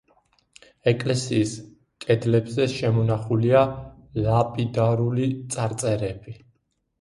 ეკლესიის კედლებზე შემონახულია ლაპიდარული წარწერები.